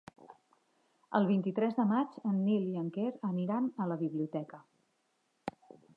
El vint-i-tres de maig en Nil i en Quer aniran a la biblioteca.